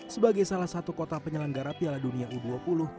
sebagai salah satu kota penyelenggara piala dunia u dua puluh